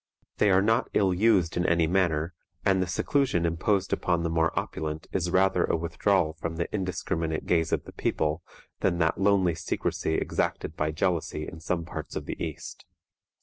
They are not ill used in any manner, and the seclusion imposed upon the more opulent is rather a withdrawal from the indiscriminate gaze of the people than that lonely secrecy exacted by jealousy in some parts of the East.